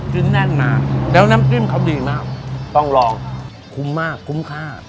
แน่นมากแล้วน้ำจิ้มเขาดีมากต้องลองคุ้มมากคุ้มค่า